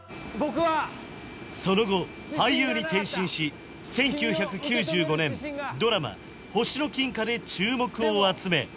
その後俳優に転身し１９９５年ドラマ「星の金貨」で注目を集め